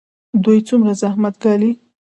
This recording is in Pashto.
دوی څومره زحمت ګالي؟